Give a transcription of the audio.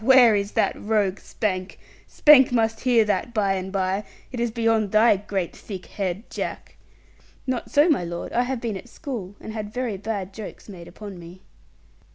Where is that rogue Spank? Spank must hear that by and by. It is beyond thy great thick head, Jack.' 'Not so, my lord; I have been at school, and had very bad jokes made upon me.'